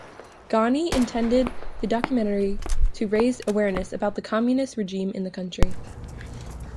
Ghani intended the documentary to raise awareness about the Communist regime in the country.